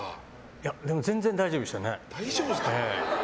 でも全然大丈夫でしたね。